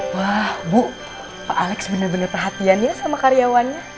wah bu pak alex benar benar perhatiannya sama karyawannya